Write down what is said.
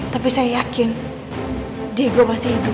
tapi saya yakin diego masih hidup